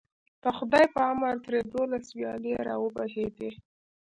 د خدای په امر ترې دولس ویالې راوبهېدې.